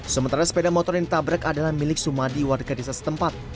sementara sepeda motor yang ditabrak adalah milik sumadi warga desa setempat